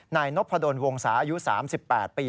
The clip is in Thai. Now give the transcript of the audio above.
นายนพดลวงศาอายุ๓๘ปี